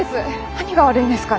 何が悪いんですかね。